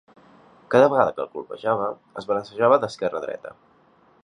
Cada vegada que el colpejava, es balancejava d'esquerra a dreta.